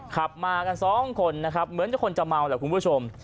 ขับมากันสองคนนะครับเหมือนคนจะเมาแหละคุณผู้ชม